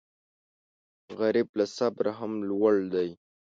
غریب له صبره هم لوړ دی